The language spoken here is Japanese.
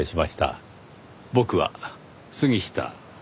僕は杉下。